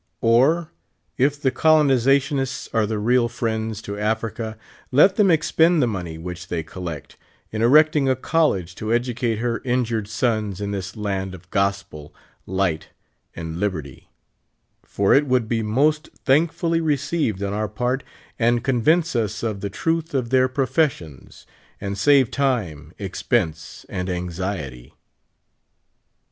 Or, if the colo nizationists are the real friends to Africa, let them ex pend the money which they collect, in erecting a college to educate her injured sons in this land of gospel, light, and liberty ; for it would be most thankfully received on our part, aijd coQvince us of the truth of th^ir professions. y 71 and save time, expense, and anxiety.